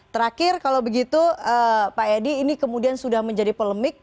terakhir kalau begitu pak edi ini kemudian sudah menjadi polemik